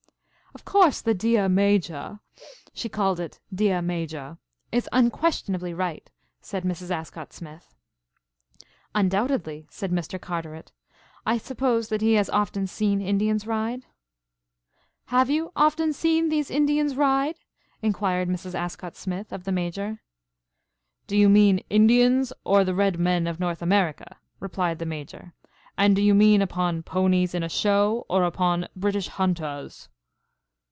"Of course the dear Major (she called it deah Majaw) is unquestionably right," said Mrs. Ascott Smith. "Undoubtedly," said Mr. Carteret. "I suppose that he has often seen Indians ride?" "Have you often seen these Indians ride?" inquired Mrs. Ascott Smith of the Major. "Do you mean Indians or the Red Men of North America?" replied the Major. "And do you mean upon ponies in a show or upon British Hunters?"